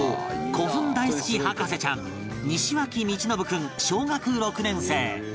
古墳大好き博士ちゃん西脇導宣君小学６年生